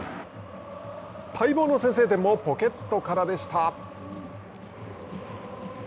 待望の先制点もポケットからでした。